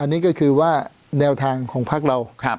อันนี้ก็คือว่าแนวทางของพักเรา